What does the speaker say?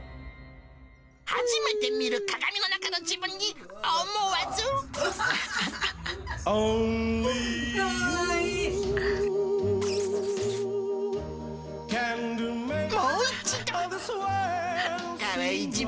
初めて見る鏡の中の自分に思わずぶちゅ。